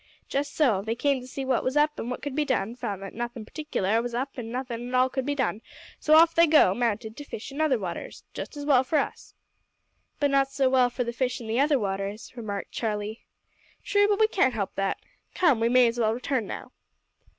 "Just so. They came to see what was up and what could be done, found that nothin' partiklar was up an' nothin' at all could be done, so off they go, mounted, to fish in other waters. Just as well for us." "But not so well for the fish in the other waters," remarked Charlie. "True, but we can't help that. Come, we may as well return now."